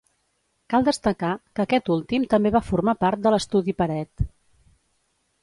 Cal destacar que aquest últim també va formar part de l'estudi Peret.